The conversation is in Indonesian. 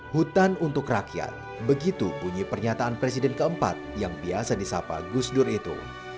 hutan untuk rakyat begitu bunyi pernyataan presiden keempat yang biasa disapa gus dur itu